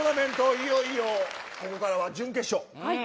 いよいよここからは準決勝。